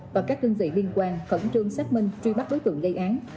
và các đơn vị liên quan khẩn trương xác minh truy bắt đối tượng gây án